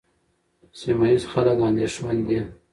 سیمه ییز خلک اندېښمن دي.